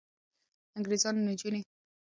نجونې په خپلو ټولنیزو چارو کې فعالې برخې اخلي.